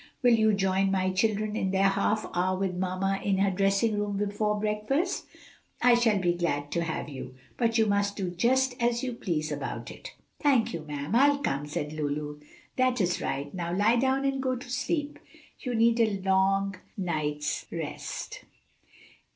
"Will you join my children in their half hour with mamma in her dressing room before breakfast? I shall be glad to have you, but you must do just as you please about it." "Thank you, ma'am; I'll come," said Lulu. "That is right. Now lie down and go to sleep. You need a long night's rest."